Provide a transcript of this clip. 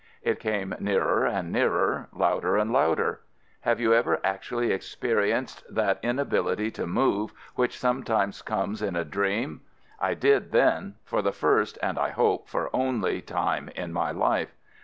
It came nearer and nearer, louder and louder. Have you ever actu 146 AMERICAN AMBULANCE ally experienced that inability to move which sometimes comes in a dream? I did then, for the first (and I hope for the only) time in my life.